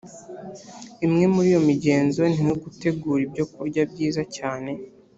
imwe muri iyo migenzo ni nko gutegura ibyo kurya byiza cyane